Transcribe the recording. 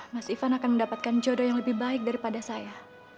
mas ivan akan mendapatkan jodoh yang lebih baik daripada saya